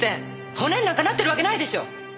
骨になんかなってるわけないでしょ！